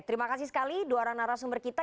terima kasih sekali doa narasumber kita